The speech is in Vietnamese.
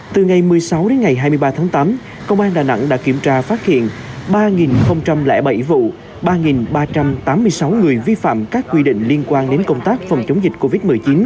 từ ngày một mươi sáu đến ngày hai mươi ba tháng tám công an đà nẵng đã kiểm tra phát hiện ba bảy vụ ba ba trăm tám mươi sáu người vi phạm các quy định liên quan đến công tác phòng chống dịch covid một mươi chín